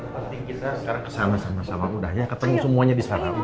pasti kita sekarang kesana sama sama udah ya ketemu semuanya disana